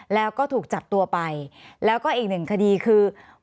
แล้วก็ถูกจับตัวไปแล้วก็อีกหนึ่งคดีคือ